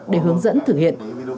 để hướng dẫn thử hiện